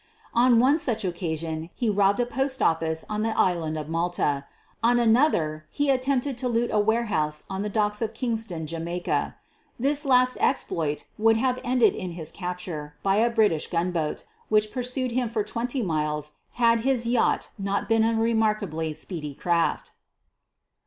On one such occasion he robbed a post office on the island of Malta; on an other he attempted to loot a warehouse on the docks at Kingston, Jamaica. This last exploit would have ended in his capture by a British gunboat which pursued him for twenty miles had his yacht not been a remarkably speedy craft.